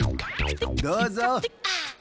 どうぞ。